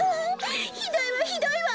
ひどいわひどいわ！